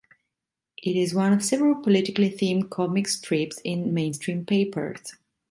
It is one of several politically themed comic strips in mainstream papers.